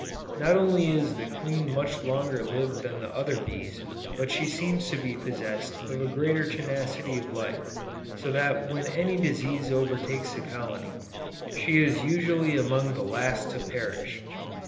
Not only is the queen much longer lived than the other bees, but she seems to be possessed of greater tenacity of life, so that when any disease overtakes the colony, she is usually among the last to perish.